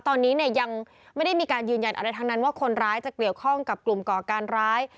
ตอนนี้เนี่ยยังไม่ได้มีการยืนยันอะไรทั้งนั้นว่าคนร้ายจะเกี่ยวข้องกับกลุ่มก่อการร้าย